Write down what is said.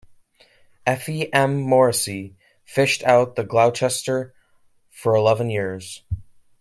"Effie M. Morrissey" fished out of Gloucester for eleven years.